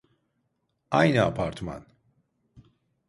Aynı apartman